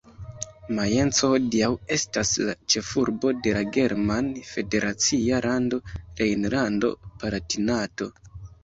Majenco hodiaŭ estas la ĉefurbo de la german federacia lando Rejnlando-Palatinato.